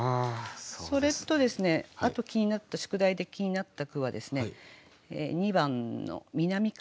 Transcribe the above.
それとあと気になった宿題で気になった句は２番の「南風」